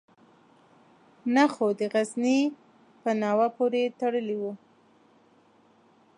نه خو د غزني په ناوه پورې تړلی وو.